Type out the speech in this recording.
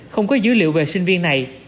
không có dữ liệu về sinh viên này